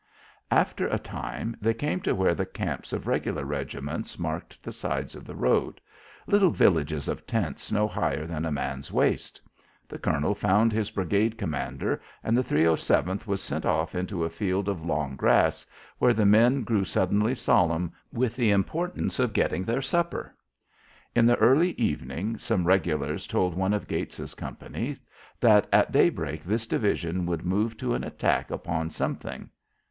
After a time they came to where the camps of regular regiments marked the sides of the road little villages of tents no higher than a man's waist. The colonel found his brigade commander and the 307th was sent off into a field of long grass, where the men grew suddenly solemn with the importance of getting their supper. In the early evening some regulars told one of Gates's companies that at daybreak this division would move to an attack upon something.